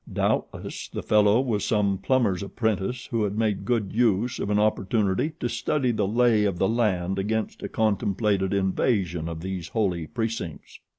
Doubtless the fellow was some plumber's apprentice who had made good use of an opportunity to study the lay of the land against a contemplated invasion of these holy precincts.